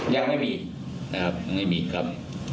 ยังไม่มีนะครับยังไม่มีครับ